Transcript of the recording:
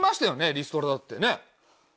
リストラだってね？